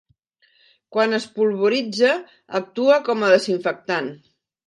Quan es polvoritza, actua com a desinfectant.